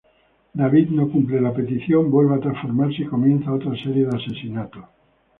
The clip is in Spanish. David no cumple la petición, vuelve a transformarse y comienza otra serie de asesinatos.